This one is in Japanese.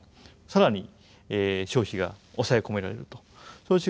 更に消費が抑え込められると。